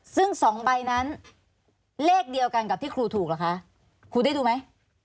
ซึ่ง๒ใบนั้นเลขเดียวกันกับที่ครูถูกเหรอคะครูได้ดูไหม